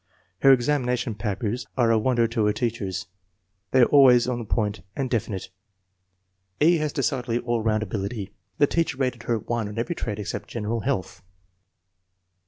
Her examination papers are a wonder to her teachers. They are always to the point and definite. E. has decidedly all round ability.' 5 The teacher rated her 1 on every trait except general health.